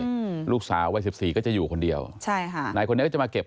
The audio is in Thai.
อืมลูกสาววัยสิบสี่ก็จะอยู่คนเดียวใช่ค่ะนายคนนี้ก็จะมาเก็บ